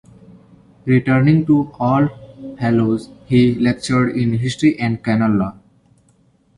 Returning to All Hallows he lectured in history and canon law.